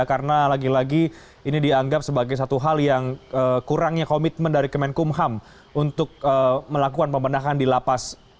karena lagi lagi ini dianggap sebagai satu hal yang kurangnya komitmen dari kemenkumham untuk melakukan pembenahan di lapas